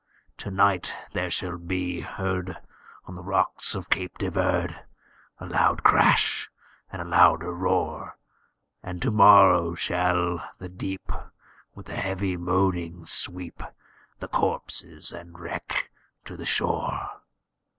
"To night there shall be heard on the rocks of Cape de Verde, A loud crash, and a louder roar; And to morrow shall the deep, with a heavy moaning, sweep The corpses and wreck to the shore."